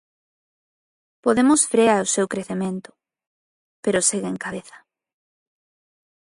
Podemos frea o seu crecemento, pero segue en cabeza.